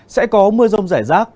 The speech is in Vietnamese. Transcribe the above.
sẽ có mưa rông rải rác